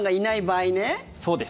そうです。